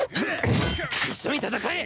一緒に戦え！